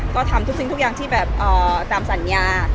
ก็ทำทุกสิ่งทุกอย่างที่แบบตามสัญญา